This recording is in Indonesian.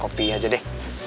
kopi aja deh